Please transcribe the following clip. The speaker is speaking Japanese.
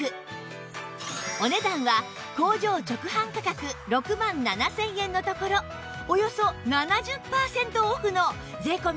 お値段は工場直販価格６万７０００円のところおよそ７０パーセントオフの税込